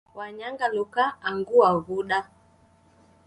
Wanyangaluka angu waghuda.